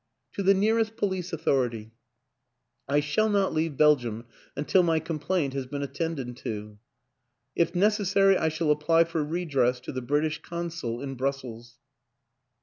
"To the nearest police authority; I shall not leave Belgium until my complaint has been at tended to. If necessary I shall apply for redress to the British Consul in Brussels."